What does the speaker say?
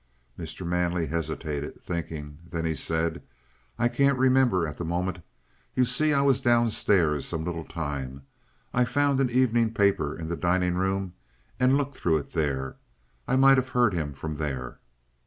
Mr. Manley hesitated, thinking; then he said: "I can't remember at the moment. You see, I was downstairs some little time. I found an evening paper in the dining room and looked through it there. I might have heard him from there."